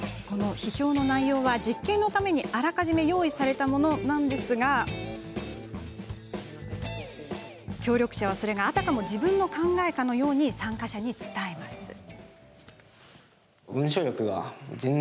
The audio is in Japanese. その批評の内容は実験のために、あらかじめ用意されたものなんですが協力者は、それがあたかも自分の考えかのように参加者に伝えます。